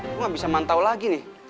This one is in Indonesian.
gue gak bisa mantau lagi nih